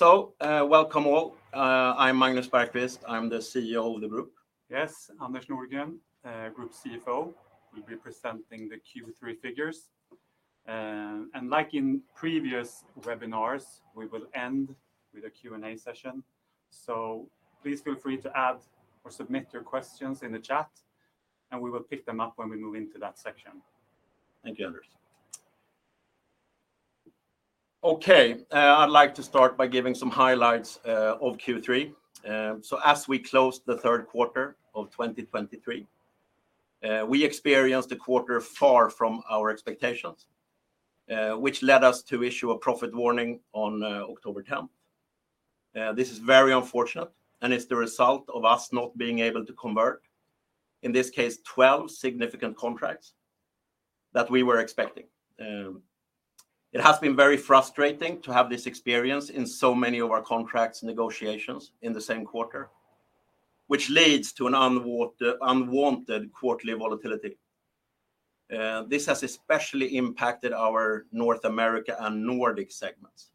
Welcome all. I'm Magnus Bergqvist, I'm the CEO of the group. Yes, Anders Nordgren, Group CFO will be presenting the Q3 figures. Like in previous webinars, we will end with a Q&A session. Please feel free to add or submit your questions in the chat, and we will pick them up when we move into that section. Thank you. Okay, I'd like to start by giving some highlights of Q3. So as we closed the third quarter of 2023, we experienced a quarter far from our expectations, which led us to issue a profit warning on October 10th. This is very unfortunate, and it's the result of us not being able to convert, in this case, 12 significant contracts that we were expecting. It has been very frustrating to have this experience in so many of our contracts negotiations in the same quarter, which leads to an unwanted quarterly volatility. This has especially impacted our North America and Nordic segments.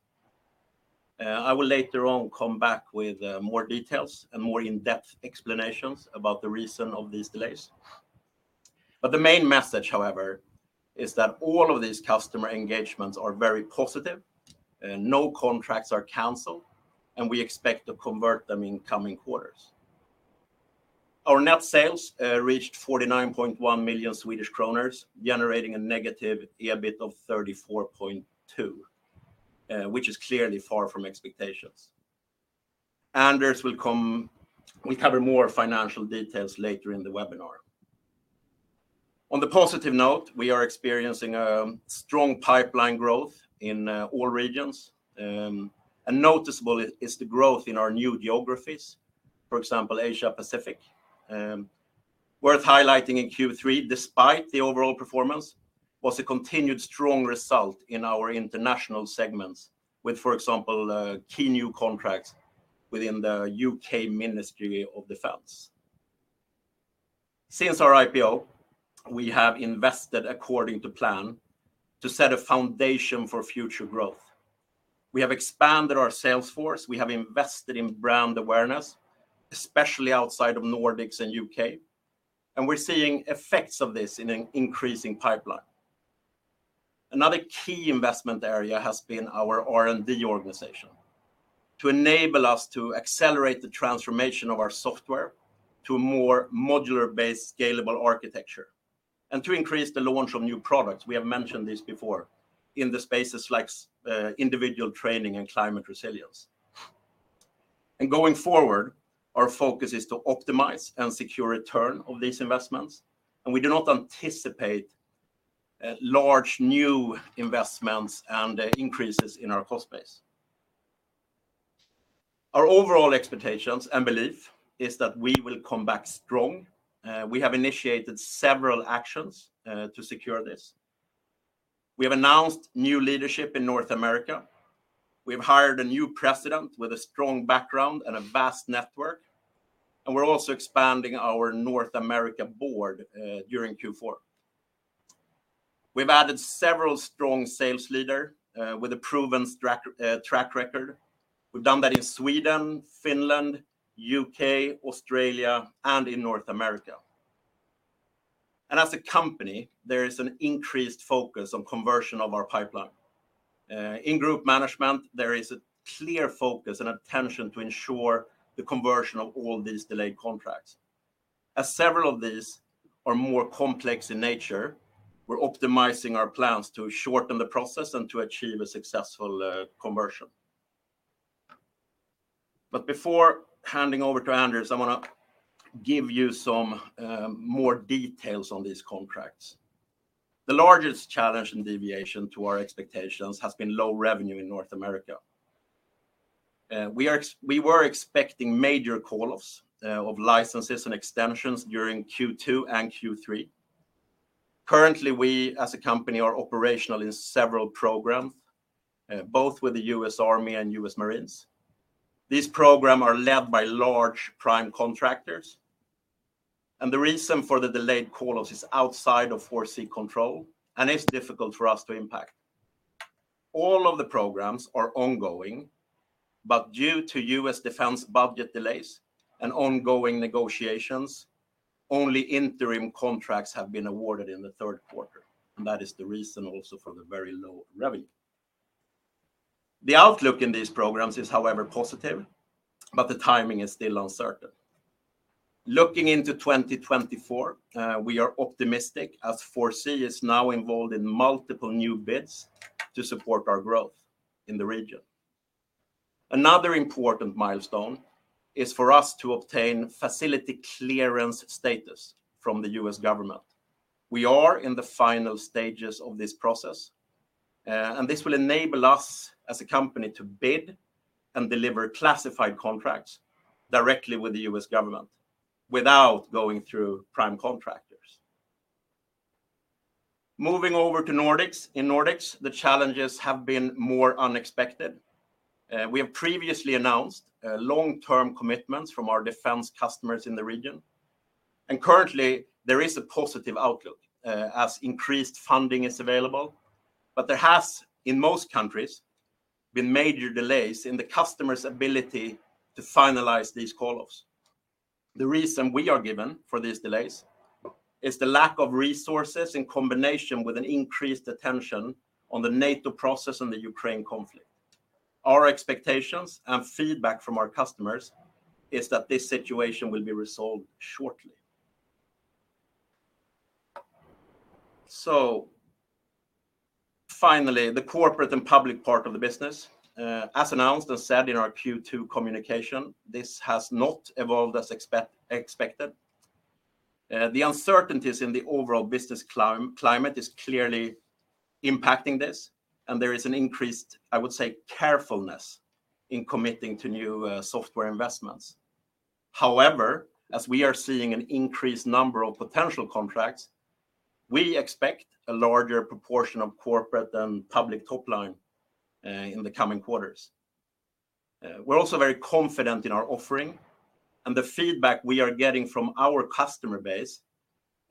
I will later on come back with more details and more in-depth explanations about the reason of these delays. But the main message, however, is that all of these customer engagements are very positive, no contracts are canceled, and we expect to convert them in coming quarters. Our net sales reached 49.1 million Swedish kronor, generating a negative EBIT of 34.2 million, which is clearly far from expectations. Anders will cover more financial details later in the webinar. On the positive note, we are experiencing a strong pipeline growth in all regions, and noticeable is the growth in our new geographies, for example, Asia Pacific. Worth highlighting in Q3, despite the overall performance, was a continued strong result in our international segments with, for example, key new contracts within the U.K. Ministry of Defence. Since our IPO, we have invested according to plan to set a foundation for future growth. We have expanded our sales force, we have invested in brand awareness, especially outside of Nordics and U.K., and we're seeing effects of this in an increasing pipeline. Another key investment area has been our R&D organization to enable us to accelerate the transformation of our software to a more modular-based, scalable architecture and to increase the launch of new products. We have mentioned this before in the spaces like individual training and climate resilience. Going forward, our focus is to optimize and secure return of these investments, and we do not anticipate large new investments and increases in our cost base. Our overall expectations and belief is that we will come back strong. We have initiated several actions to secure this. We have announced new leadership in North America. We've hired a new President with a strong background and a vast network, and we're also expanding our North America board during Q4. We've added several strong sales leader with a proven track record. We've done that in Sweden, Finland, U.K., Australia, and in North America. And as a company, there is an increased focus on conversion of our pipeline. In group management, there is a clear focus and attention to ensure the conversion of all these delayed contracts. As several of these are more complex in nature, we're optimizing our plans to shorten the process and to achieve a successful conversion. But before handing over to Anders, I wanna give you some more details on these contracts. The largest challenge and deviation to our expectations has been low revenue in North America. We were expecting major call-offs of licenses and extensions during Q2 and Q3. Currently, we, as a company, are operational in several programs both with the U.S. Army and U.S. Marines. These programs are led by large prime contractors, and the reason for the delayed call-offs is outside of 4C control, and it's difficult for us to impact. All of the programs are ongoing, but due to U.S. Defense budget delays and ongoing negotiations, only interim contracts have been awarded in the third quarter, and that is the reason also for the very low revenue. The outlook in these programs is, however, positive, but the timing is still uncertain. Looking into 2024, we are optimistic as 4C is now involved in multiple new bids to support our growth in the region. Another important milestone is for us to obtain Facility Clearance status from the U.S. government. We are in the final stages of this process, and this will enable us, as a company, to bid and deliver classified contracts directly with the U.S. government without going through Prime Contractors. Moving over to Nordics. In Nordics, the challenges have been more unexpected. We have previously announced long-term commitments from our defense customers in the region. And currently, there is a positive outlook, as increased funding is available, but there has, in most countries, been major delays in the customer's ability to finalize these call-offs. The reason we are given for these delays is the lack of resources in combination with an increased attention on the NATO process and the Ukraine conflict. Our expectations and feedback from our customers is that this situation will be resolved shortly. So finally, the corporate and public part of the business. As announced and said in our Q2 communication, this has not evolved as expected. The uncertainties in the overall business climate is clearly impacting this, and there is an increased, I would say, carefulness in committing to new software investments. However, as we are seeing an increased number of potential contracts, we expect a larger proportion of corporate and public top line in the coming quarters. We're also very confident in our offering, and the feedback we are getting from our customer base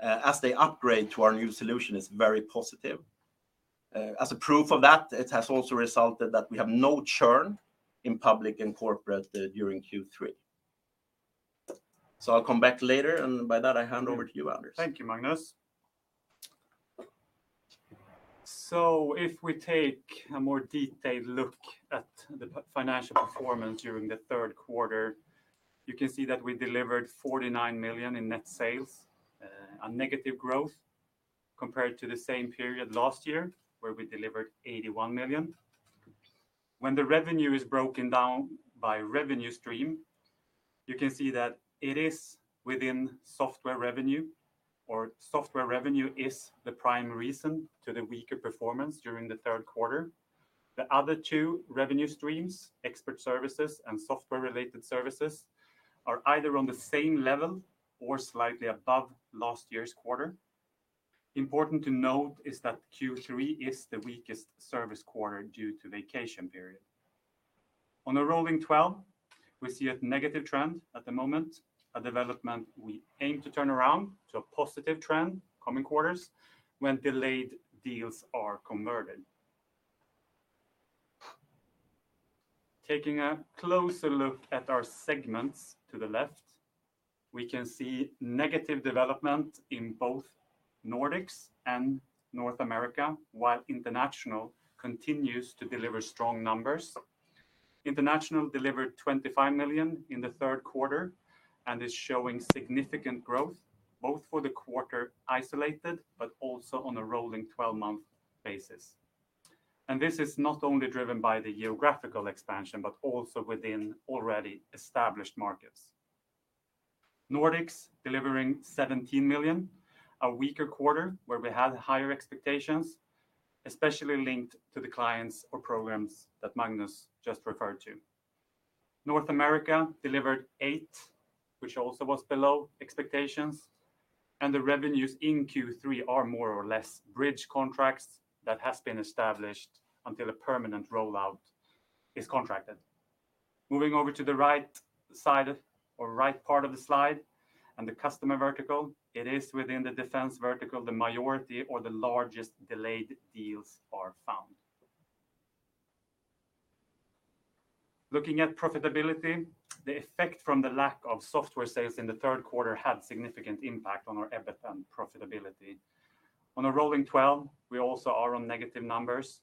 as they upgrade to our new solution is very positive. As a proof of that, it has also resulted that we have no churn in public and corporate during Q3. So I'll come back later, and by that, I hand over to you, Anders. Thank you, Magnus. So if we take a more detailed look at the financial performance during the third quarter, you can see that we delivered 49 million in net sales, a negative growth compared to the same period last year, where we delivered 81 million. When the revenue is broken down by revenue stream, you can see that it is within software revenue or software revenue is the prime reason to the weaker performance during the third quarter. The other two revenue streams, expert services and software-related services, are either on the same level or slightly above last year's quarter. Important to note is that Q3 is the weakest service quarter due to vacation period. On a rolling, we see a negative trend at the moment, a development we aim to turn around to a positive trend coming quarters when delayed deals are converted. Taking a closer look at our segments to the left, we can see negative development in both Nordics and North America, while International continues to deliver strong numbers. International delivered 25 million in the third quarter and is showing significant growth, both for the quarter isolated, but also on a rolling 12-month basis. This is not only driven by the geographical expansion, but also within already established markets. Nordics delivering 17 million, a weaker quarter, where we had higher expectations, especially linked to the clients or programs that Magnus just referred to. North America delivered 8, which also was below expectations, and the revenues in Q3 are more or less bridge contracts that has been established until a permanent rollout is contracted. Moving over to the right side or right part of the slide and the customer vertical, it is within the defense vertical, the majority or the largest delayed deals are found. Looking at profitability, the effect from the lack of software sales in the third quarter had significant impact on our EBIT and profitability. On a rolling 12, we also are on negative numbers,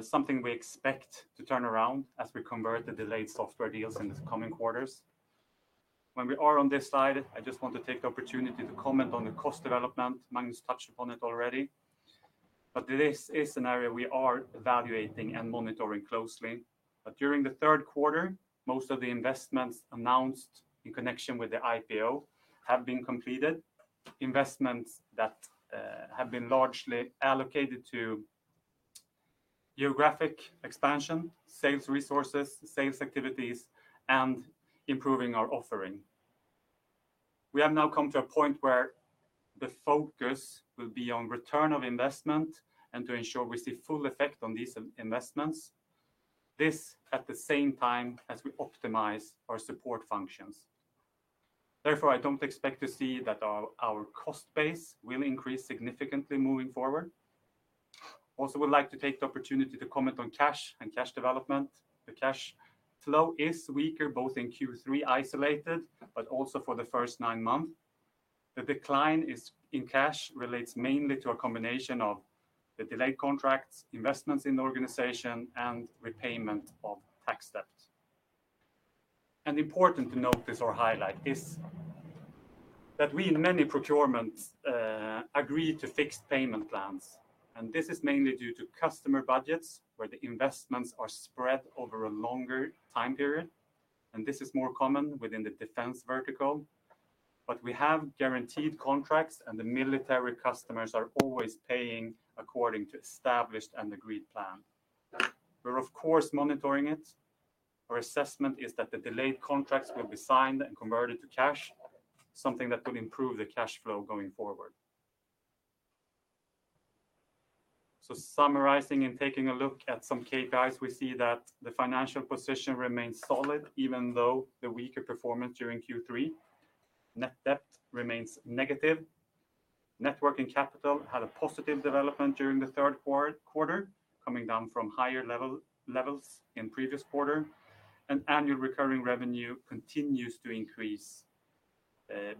something we expect to turn around as we convert the delayed software deals in the coming quarters. When we are on this side, I just want to take the opportunity to comment on the cost development. Magnus touched upon it already, but this is an area we are evaluating and monitoring closely. During the third quarter, most of the investments announced in connection with the IPO have been completed, investments that have been largely allocated to geographic expansion, sales resources, sales activities, and improving our offering. We have now come to a point where the focus will be on return of investment and to ensure we see full effect on these investments. This, at the same time, as we optimize our support functions. Therefore, I don't expect to see that our cost base will increase significantly moving forward. Also, would like to take the opportunity to comment on cash and cash development. The cash flow is weaker, both in Q3 isolated, but also for the first nine months. The decline is in cash relates mainly to a combination of the delayed contracts, investments in the organization, and repayment of tax debt. Important to note or highlight is that we, in many procurements, agree to fixed payment plans, and this is mainly due to customer budgets, where the investments are spread over a longer time period, and this is more common within the defense vertical. But we have guaranteed contracts, and the military customers are always paying according to established and agreed plan. We're, of course, monitoring it. Our assessment is that the delayed contracts will be signed and converted to cash, something that will improve the cash flow going forward. Summarizing and taking a look at some key figures, we see that the financial position remains solid, even though the weaker performance during Q3. Net debt remains negative. Net working capital had a positive development during the third quarter, coming down from higher level, levels in previous quarter, and annual recurring revenue continues to increase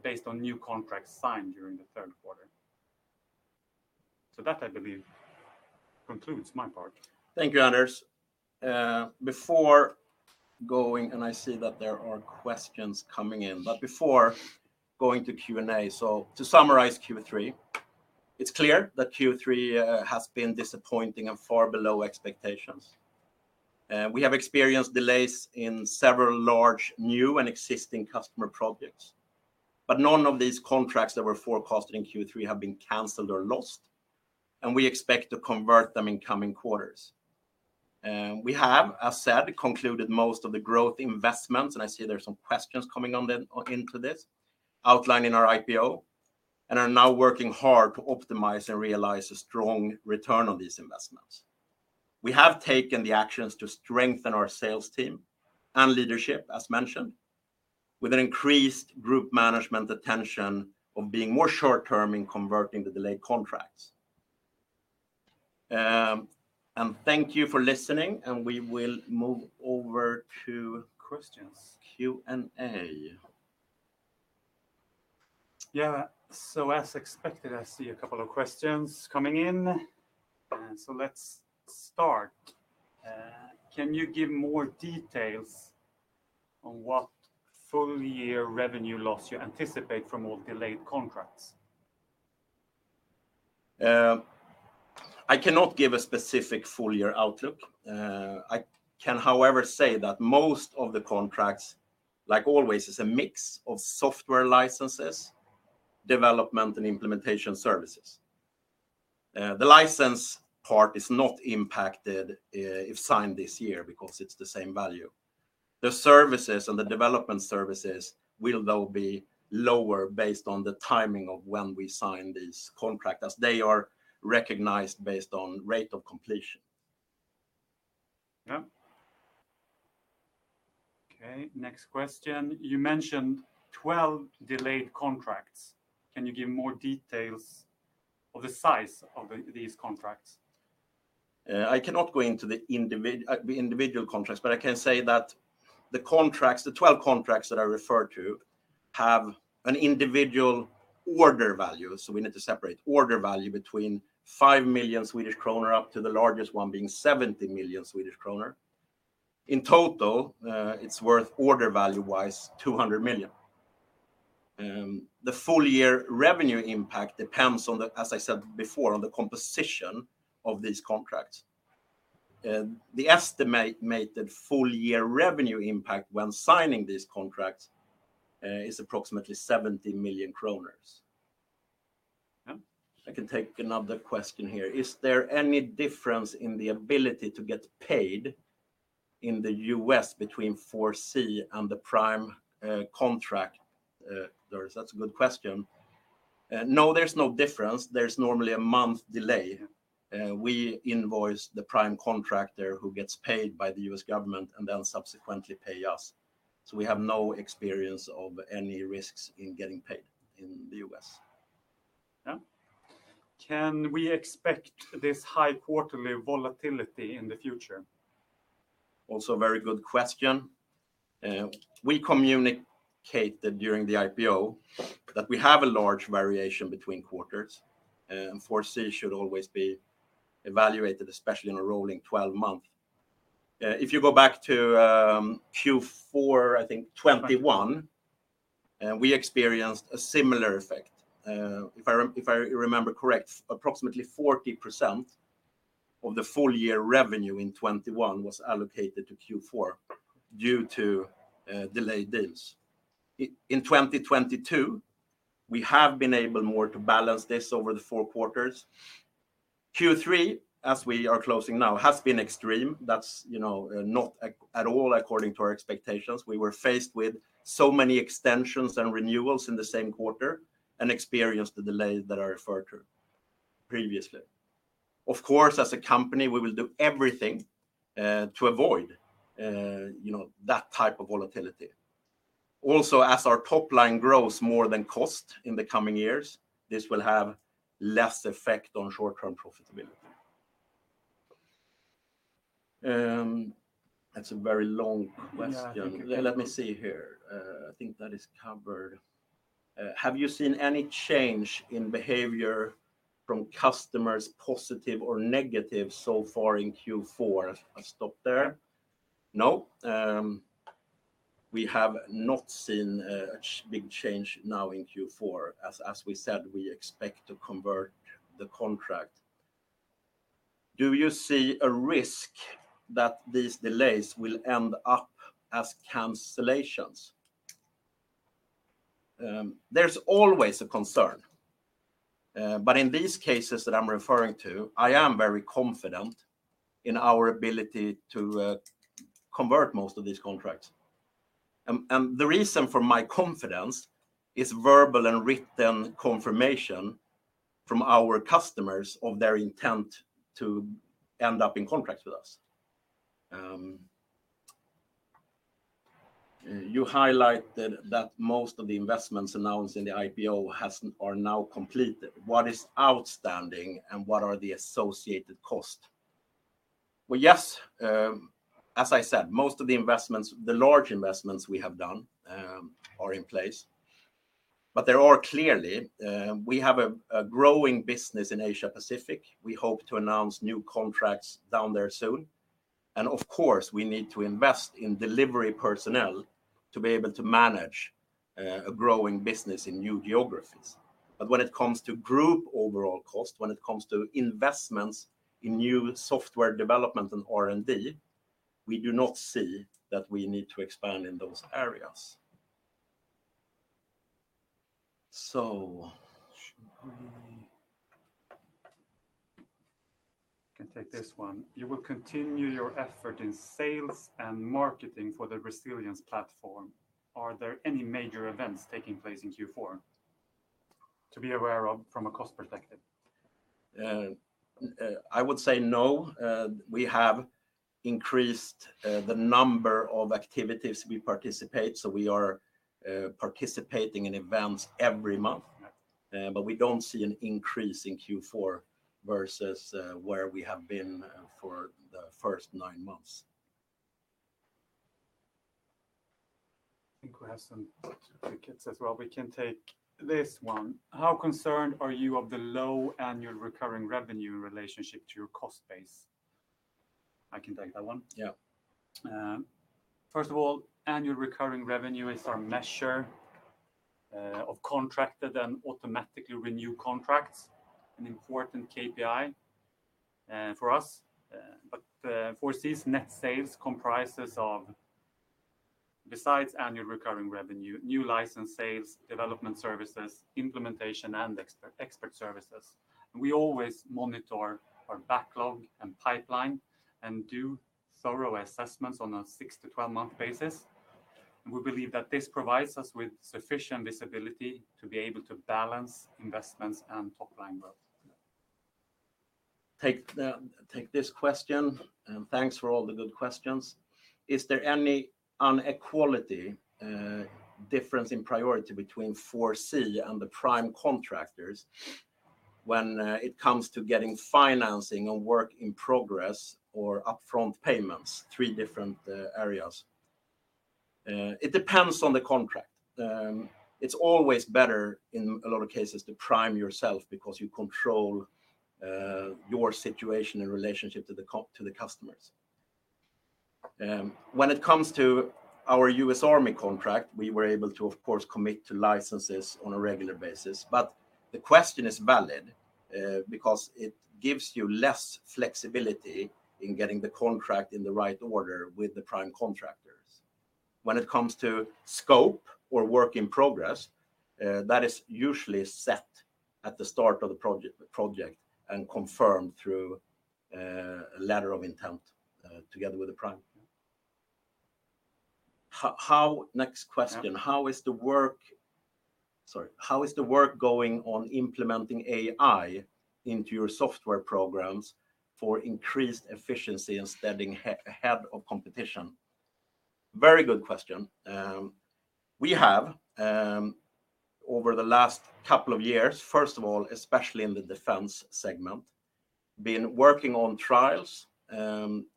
based on new contracts signed during the third quarter. So that, I believe, concludes my part. Thank you, Anders. Before going, and I see that there are questions coming in, but before going to Q&A, so to summarize Q3, it's clear that Q3 has been disappointing and far below expectations. We have experienced delays in several large, new, and existing customer projects, but none of these contracts that were forecasted in Q3 have been canceled or lost, and we expect to convert them in coming quarters. We have, as said, concluded most of the growth investments, and I see there are some questions coming on in, into this, outlining our IPO and are now working hard to optimize and realize a strong return on these investments. We have taken the actions to strengthen our sales team and leadership, as mentioned, with an increased group management attention on being more short-term in converting the delayed contracts. Thank you for listening, and we will move over to... Questions... Q&A. Yeah, so as expected, I see a couple of questions coming in. So let's start. Can you give more details on what full-year revenue loss you anticipate from all delayed contracts? I cannot give a specific full-year outlook. I can, however, say that most of the contracts, like always, is a mix of software licenses, development and implementation services. The license part is not impacted, if signed this year, because it's the same value. The services and the development services will, though, be lower based on the timing of when we sign these contracts, as they are recognized based on rate of completion. Yeah. Okay, next question. You mentioned 12 delayed contracts. Can you give more details of the size of the, these contracts? I cannot go into the individual contracts, but I can say that the contracts, the 12 contracts that I referred to, have an individual order value, so we need to separate. Order value between 5 million Swedish kronor, up to the largest one being 70 million Swedish kronor. In total, it's worth order value-wise, 200 million. The full-year revenue impact depends on the, as I said before, on the composition of these contracts. The estimated full-year revenue impact when signing these contracts is approximately 70 million kronor. Yeah. I can take another question here. Is there any difference in the ability to get paid in the U.S. between 4C and the prime contractor? Doris, that's a good question. No, there's no difference. There's normally a month delay. We invoice the prime contractor who gets paid by the U.S. government and then subsequently pay us, so we have no experience of any risks in getting paid in the U.S. Yeah. Can we expect this high quarterly volatility in the future? Also, a very good question. We communicated during the IPO that we have a large variation between quarters. Forecast should always be evaluated, especially in a rolling 12-month. If you go back to Q4, I think, 2021, we experienced a similar effect. If I remember correctly, approximately 40% of the full-year revenue in 2021 was allocated to Q4 due to delayed deals. In 2022, we have been able more to balance this over the four quarters. Q3, as we are closing now, has been extreme. That's, you know, not at all according to our expectations. We were faced with so many extensions and renewals in the same quarter and experienced the delays that I referred to previously. Of course, as a company, we will do everything to avoid, you know, that type of volatility. Also, as our top line grows more than cost in the coming years, this will have less effect on short-term profitability. That's a very long question. Yeah, I think... Let me see here. I think that is covered. Have you seen any change in behavior from customers, positive or negative, so far in Q4? I'll stop there. No, we have not seen a big change now in Q4. As we said, we expect to convert the contract. Do you see a risk that these delays will end up as cancellations? There's always a concern, but in these cases that I'm referring to, I am very confident in our ability to convert most of these contracts. And the reason for my confidence is verbal and written confirmation from our customers of their intent to end up in contracts with us. You highlighted that most of the investments announced in the IPO has, are now completed. What is outstanding, and what are the associated cost? Well, yes, as I said, most of the investments, the large investments we have done, are in place. But there are clearly we have a growing business in Asia Pacific. We hope to announce new contracts down there soon, and of course, we need to invest in delivery personnel to be able to manage a growing business in new geographies. But when it comes to group overall cost, when it comes to investments in new software development and R&D, we do not see that we need to expand in those areas. So should we... I can take this one. You will continue your effort in sales and marketing for the Resilience platform. Are there any major events taking place in Q4 to be aware of from a cost perspective? I would say no. We have increased the number of activities we participate, so we are participating in events every month. Yeah. But we don't see an increase in Q4 versus where we have been for the first nine months. I think we have some [inaudible] as well. We can take this one. How concerned are you of the low annual recurring revenue in relationship to your cost base? I can take that one. Yeah. First of all, Annual Recurring Revenue is our measure of contracted and automatically renewed contracts, an important KPI for us. But 4C's net sales comprises of, besides Annual Recurring Revenue, new license sales, development services, implementation, and expert services. We always monitor our backlog and pipeline and do thorough assessments on a six-12-month basis. We believe that this provides us with sufficient visibility to be able to balance investments and top-line growth. Take this question, and thanks for all the good questions. Is there any inequality, difference in priority between 4C and the prime contractors when it comes to getting financing or work in progress or upfront payments, three different areas? It depends on the contract. It's always better, in a lot of cases, to prime yourself because you control your situation in relationship to the customers. When it comes to our U.S. Army contract, we were able to, of course, commit to licenses on a regular basis. But the question is valid because it gives you less flexibility in getting the contract in the right order with the prime contractors. When it comes to scope or work in progress, that is usually set at the start of the project and confirmed through a letter of intent, together with the prime. Next question. Yeah. How is the work... Sorry, how is the work going on implementing AI into your software programs for increased efficiency and staying ahead of competition? Very good question. We have, over the last couple of years, first of all, especially in the defense segment, been working on trials,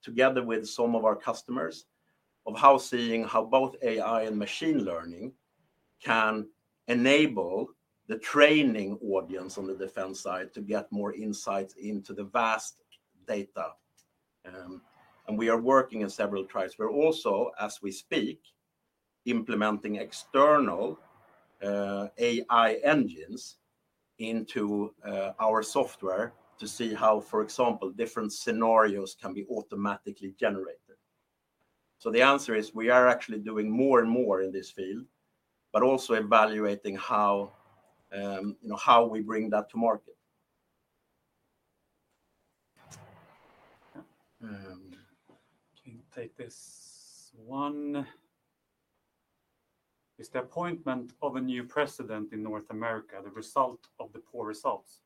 together with some of our customers, of how both AI and machine learning can enable the training audience on the defense side to get more insights into the vast data. And we are working on several trials. We're also, as we speak, implementing external AI engines into our software to see how, for example, different scenarios can be automatically generated. So the answer is, we are actually doing more and more in this field, but also evaluating how, you know, how we bring that to market. I can take this one. Is the appointment of a new President in North America the result of the poor results?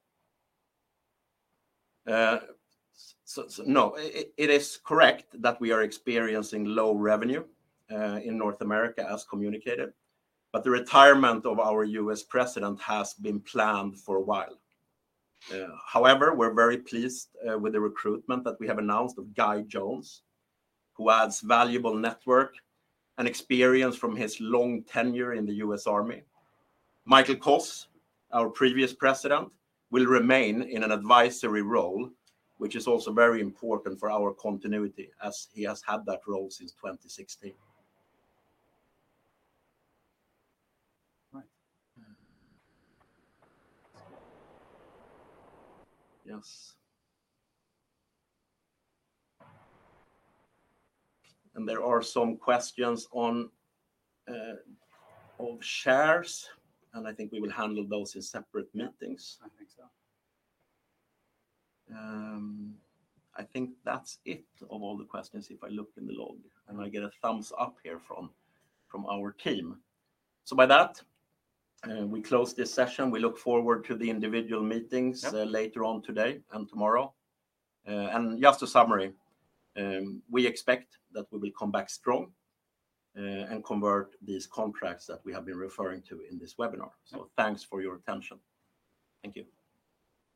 No. It is correct that we are experiencing low revenue in North America, as communicated, but the retirement of our U.S. President has been planned for a while. However, we're very pleased with the recruitment that we have announced Guy Jones, who adds valuable network and experience from his long tenure in the U.S. Army. Michael Coss, our previous President, will remain in an advisory role, which is also very important for our continuity, as he has had that role since 2016. Right. Yes. There are some questions on shares, and I think we will handle those in separate meetings. I think so. I think that's it of all the questions, if I look in the log, and I get a thumbs up here from our team. So by that, we close this session. We look forward to the individual meetings... Yep. ...Later on today and tomorrow. And just a summary, we expect that we will come back strong and convert these contracts that we have been referring to in this webinar. Yep. Thanks for your attention. Thank you.